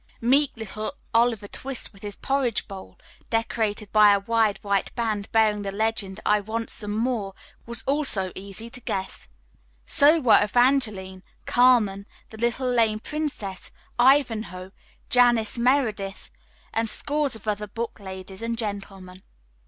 Meek little Oliver Twist, with his big porridge bowl decorated by a wide white band bearing the legend, "I want some more," was also easy to guess. So were "Evangeline," "Carmen," "The Little Lame Prince," "Ivanhoe," "Janice Meredith," and scores of other book ladies and gentlemen.